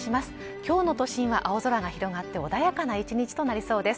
今日の都心は青空が広がって穏やかな１日となりそうです